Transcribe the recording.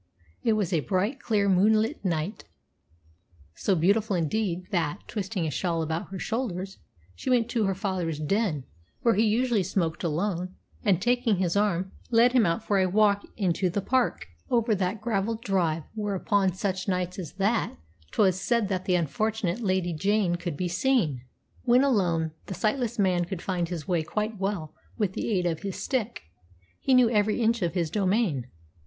It was a bright, clear, moonlit night, so beautiful indeed that, twisting a shawl about her shoulders, she went to her father's den, where he usually smoked alone, and, taking his arm, led him out for a walk into the park over that gravelled drive where, upon such nights as that, 'twas said that the unfortunate Lady Jane could be seen. When alone, the sightless man could find his way quite well with the aid of his stick. He knew every inch of his domain.